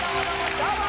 どうも！